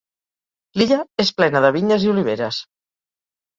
L'illa és plena de vinyes i oliveres.